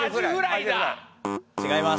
違います。